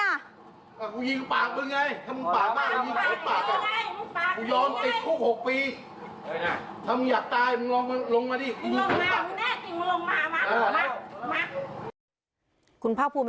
มา